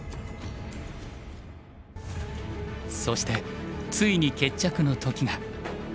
そしてついに決着の時が。